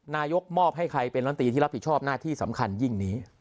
นายกมอบให้ใครเป็นลำตีที่รับผิดชอบหน้าที่สำคัญยิ่งนี้